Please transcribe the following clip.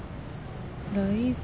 「ライブ」？